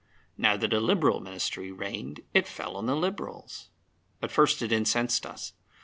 Now that a Liberal Ministry reigned, it fell on the Liberals. At first it incensed us.